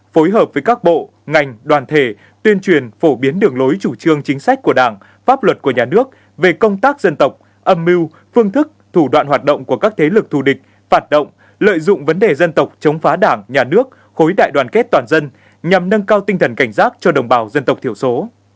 phối hợp với các bộ ngành đoàn thể tuyên truyền phổ biến đường lối chủ trương chính sách của đảng pháp luật của nhà nước về công tác dân tộc âm mưu phương thức thủ đoạn hoạt động của các thế lực thù địch phản động lợi dụng vấn đề dân tộc chống phá đảng nhà nước khối đại đoàn kết toàn dân nhằm nâng cao tinh thần cảnh giác cho đồng bào dân tộc thiểu số